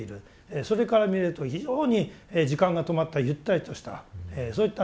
それから見ると非常に時間が止まったゆったりとしたそういった流れです。